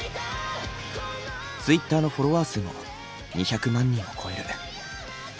ツイッターのフォロワー数も２００万人を超える。